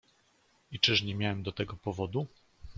"I czyż nie miałem do tego powodu?"